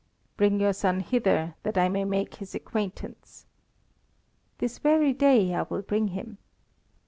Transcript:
"Bring your son hither that I may make his acquaintance." "This very day I will bring him."